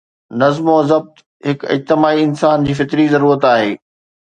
نظم و ضبط هڪ اجتماعي انسان جي فطري ضرورت آهي.